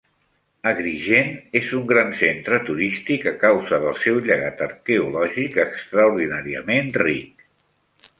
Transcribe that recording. Agrigent és un gran centre turístic a causa del seu llegat arqueològic extraordinàriament ric.